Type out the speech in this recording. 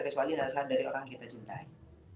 kecuali dasar dari orang yang kita cintai